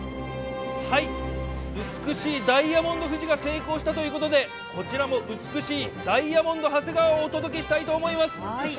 美しいダイヤモンド富士が成功したということで、こちらも美しいダイヤモンド長谷川をお届けしたいと思います。